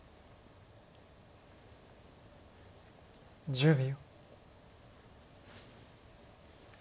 １０秒。